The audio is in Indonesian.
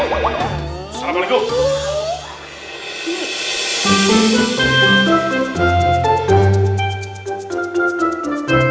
suara suara semangat